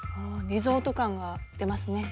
リゾート感が出ますね。